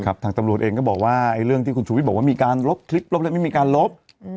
ทางตำรวจเองก็บอกว่าเรื่องที่คุณชูวิทย์บอกว่ามีการลบคลิปลบแล้วไม่มีการลบ